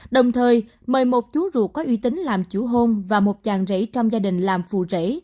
đồng thời mời một chú ruột có uy tính làm chú hôn và một chàng rể trong gia đình làm phù rể